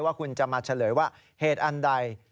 ว่าคุณจะมาเฉลยว่าเหตุอันใด